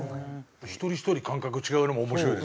一人ひとり感覚が違うのも面白いですよね。